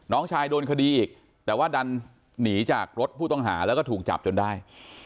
น้องชายโดนคดีอีกแต่ว่าดันหนีจากรถผู้ต้องหาแล้วก็ถูกจับจนได้